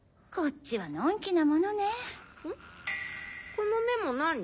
このメモ何？